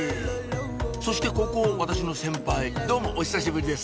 そしてここ私の先輩どうもお久しぶりです